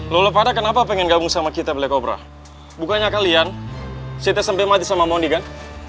lolo pada kenapa pengen gabung sama kita black cobra bukannya kalian setes sampe mati sama moni kan